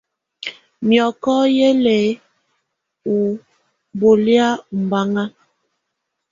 Miɔkɔ yɛ lɛ ɔ bɔlɛ̀á ɔmbaŋa.